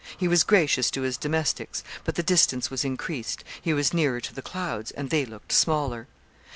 He was gracious to his domestics, but the distance was increased: he was nearer to the clouds, and they looked smaller.